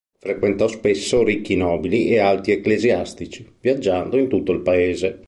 Frequentò spesso ricchi nobili e alti ecclesiastici, viaggiando in tutto il paese.